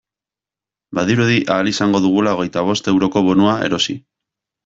Badirudi ahal izango dugula hogeita bost euroko bonua erosi.